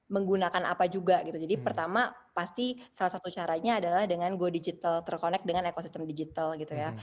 menggunakan apa juga gitu jadi pertama pasti salah satu caranya adalah dengan go digital terconnect dengan ekosistem digital gitu ya